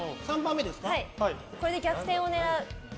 これで逆転を狙う。